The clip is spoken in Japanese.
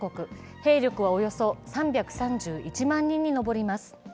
兵力はおよそ３３１人に上ります。